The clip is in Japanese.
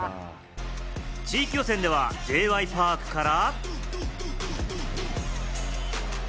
地域予選ではＪ．Ｙ．Ｐａｒｋから。